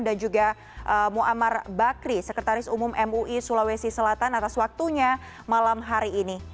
dan juga muammar bakri sekretaris umum mui sulawesi selatan atas waktunya malam hari ini